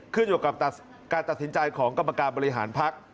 ขึ้นอยู่กับการตัดสินใจของกรรมการบริหารพัก